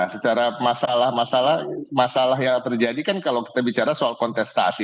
secara masalah masalah yang terjadi kan kalau kita bicara soal kontestasi